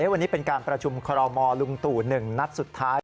วันนี้เป็นการประชุมคอรมอลลุงตู่๑นัดสุดท้าย